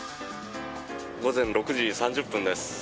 午前６時３０分です。